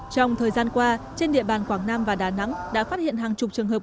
trong thời gian qua trên địa bàn quảng nam và đà nẵng đã phát hiện hàng chục trường hợp